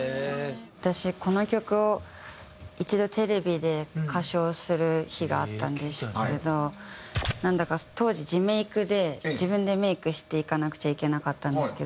私この曲を一度テレビで歌唱する日があったんですけどなんだか当時自メイクで自分でメイクして行かなくちゃいけなかったんですけど。